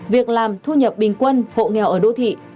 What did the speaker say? việc làm thu nhập bình quân hộ nghèo ở đô thị